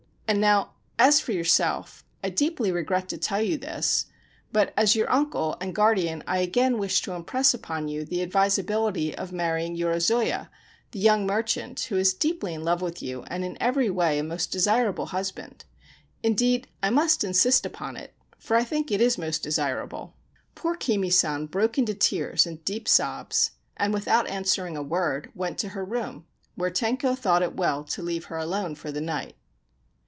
And now, as for yourself, I deeply regret to tell you this ; but as your uncle and guardian I again wish to impress upon you the advisability of marrying Yorozuya, the young merchant, who is deeply in love with you and in every way a most desirable husband ; indeed, I must insist upon it, for I think it most desirable/ Poor O Kimi San broke into tears and deep sobs, and without answering a word went to her room, where Tenko thought it well to leave her alone for the night.